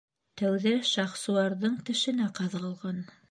— Тәүҙә Шахсуарҙың тешенә ҡаҙалған...